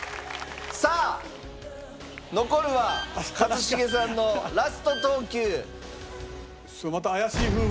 さあ残るは一茂さんのラスト投球。